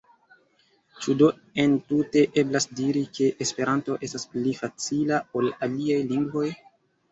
Ĉu do entute eblas diri, ke Esperanto estas pli facila ol aliaj lingvoj?